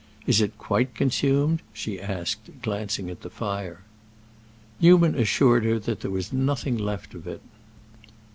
Is it quite consumed?" she asked, glancing at the fire. Newman assured her that there was nothing left of it.